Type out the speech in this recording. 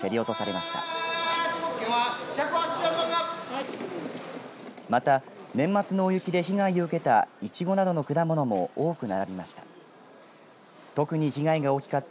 また年末の大雪で被害を受けたいちごなどの果物も多く並びました。